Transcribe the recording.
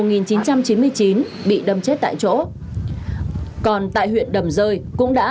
còn tại huyện đầm rơi cũng đã dẫn đến đánh nhau với một nhóm thanh niên khác